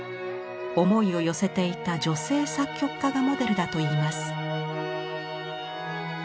思いを寄せていた女性作曲家がモデルだといいます。